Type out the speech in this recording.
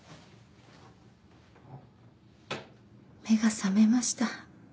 目が覚めました。